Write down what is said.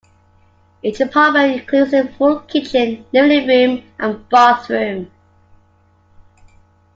Each apartment includes a full kitchen, living room and bathroom.